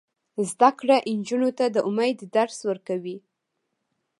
زده کړه نجونو ته د امید درس ورکوي.